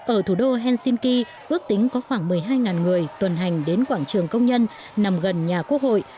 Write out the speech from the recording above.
ở thủ đô helsinki ước tính có khoảng một mươi hai người tuần hành đến quảng trường công nhân nằm gần nhà quốc hội